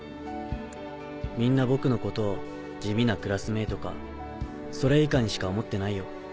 みんな僕のことを「地味なクラスメート」かそれ以下にしか思ってないよ。